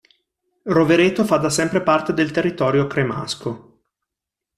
Rovereto fa da sempre parte del territorio cremasco.